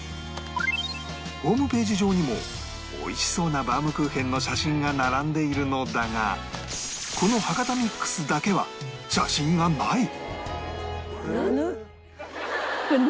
ホームページ上にも美味しそうなバウムクーヘンの写真が並んでいるのだがこの ＨＡＫＡＴＡＭＩＸ だけは写真がない！